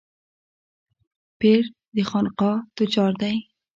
پير د خانقاه تجار دی.